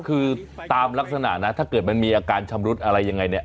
คือตามลักษณะนะถ้าเกิดมันมีอาการชำรุดอะไรยังไงเนี่ย